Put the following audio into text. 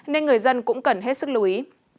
nên người dân cũng cần hết sức lưu ý